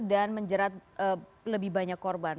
dan menjerat lebih banyak korban